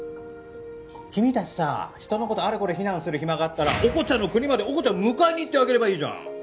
君たちさ人の事あれこれ非難する暇があったらオコチャの国までオコチャを迎えに行ってあげればいいじゃん。